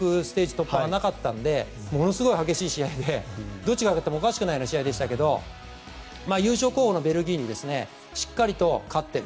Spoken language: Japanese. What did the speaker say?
突破はなかったのでものすごい激しい試合でどっちが勝ってもおかしくないような試合でしたけど優勝候補のベルギーにしっかりと勝っている。